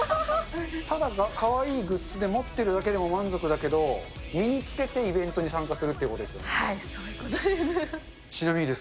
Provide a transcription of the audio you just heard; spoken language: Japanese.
ただかわいいグッズで持ってるだけでも満足だけど、身につけてイベントに参加するということそういうことです。